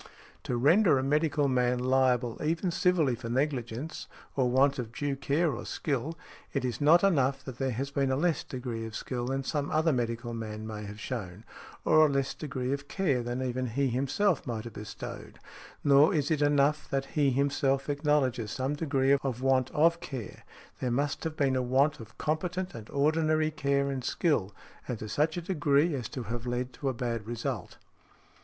To render a medical man liable even civilly for negligence, or want of due care or skill, it is not enough that there has been a less degree of skill than some other medical man may have shown, or a less degree of care than even he himself might have bestowed, nor is it enough that he himself acknowledges some degree of want of care; there must have been a want of competent and ordinary care and skill, and to such a degree as to have led to a bad result .